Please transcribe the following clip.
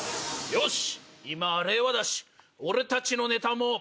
よし。